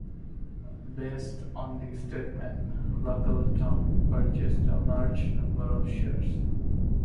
Based on this statement, Buckleton purchased a large number of shares.